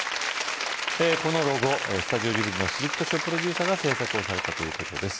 このロゴスタジオジブリの鈴木敏夫プロデューサーが制作をされたということです